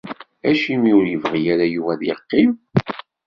Acimi ur yebɣi ara Yuba ad yeqqim?